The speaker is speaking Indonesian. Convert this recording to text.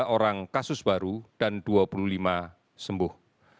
tiga orang kasus baru dan dua puluh lima sembuh